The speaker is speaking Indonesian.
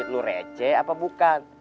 lo receh apa bukan